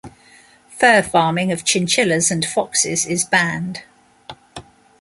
Fur farming of chinchillas and foxes is banned.